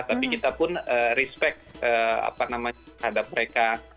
tapi kita pun respect apa namanya terhadap mereka